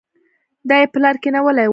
دا يې پلار کېنولې وه.